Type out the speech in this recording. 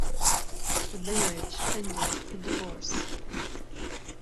The marriage ended in divorce.